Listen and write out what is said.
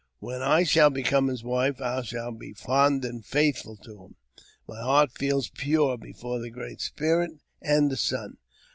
When I shall become his wife, I shall be fond and faithful to him. My heart feels pure before the Great Spirit and the sun.